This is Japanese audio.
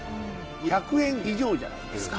１００円以上じゃないですか。